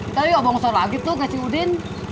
nggak mau ngosot lagi tuh kak si udin